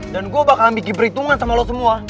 dan gua bakal ambiki perhitungan sama lu semua